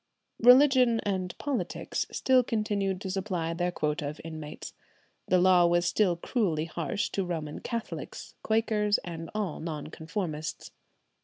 Religion and politics still continued to supply their quota of inmates. The law was still cruelly harsh to Roman Catholics, Quakers, and all Non conformists.